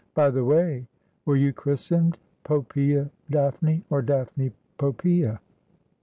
By the way, were you christened Poppsea Daphne, or Daphne Poppeea